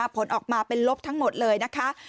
ผลออกมาเป็นลบทั้งหมดเลยนะคะ